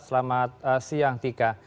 selamat siang tika